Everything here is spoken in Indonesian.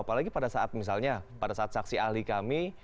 apalagi pada saat misalnya pada saat saksi ahli kami